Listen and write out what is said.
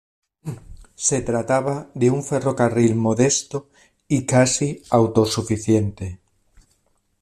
Se trataba de un ferrocarril modesto y casi autosuficiente.